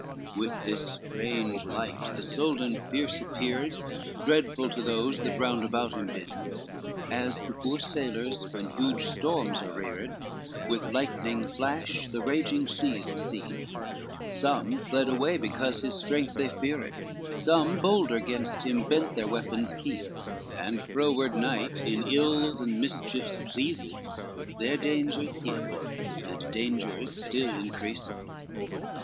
XXVI With this strange light, the Soldan fierce appeared Dreadful to those that round about him been, As to poor sailors, when huge storms are reared, With lightning flash the rafting seas are seen; Some fled away, because his strength they feared, Some bolder gainst him bent their weapons keen, And forward night, in evils and mischiefs pleased, Their dangers hid, and dangers still increased.